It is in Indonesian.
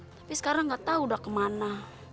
tapi sekarang gak tau udah kemana